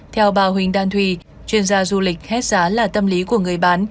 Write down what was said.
theo bà huỳnh đan thùy chuyên gia du lịch hết giá là tâm lý của người bán